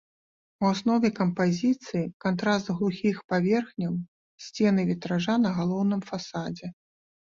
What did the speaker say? У аснове кампазіцыі кантраст глухіх паверхняў сцен і вітража на галоўным фасадзе.